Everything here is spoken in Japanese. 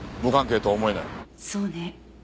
そうね。